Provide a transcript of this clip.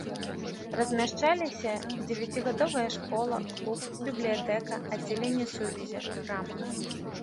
Размяшчаліся дзевяцігадовая школа, клуб, бібліятэка, аддзяленне сувязі, крама.